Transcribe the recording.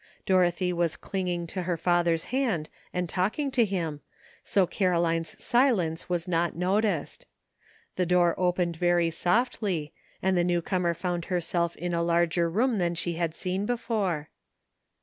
Dorothy was clinging to her father's hand and talking to him, so Caroline's silence was not noticed. The door opened very softly, and the new comer found herself in a larger room than she had seen before.